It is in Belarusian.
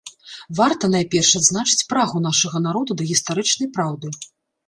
Варта, найперш, адзначыць прагу нашага народа да гістарычнай праўды.